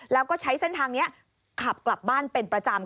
แล้วก็ใช้เส้นทางนี้ขับกลับบ้านเป็นประจำ